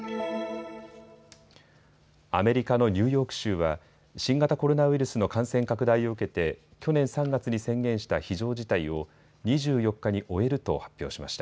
アメリカのニューヨーク州は新型コロナウイルスの感染拡大を受けて去年３月に宣言した非常事態を２４日に終えると発表しました。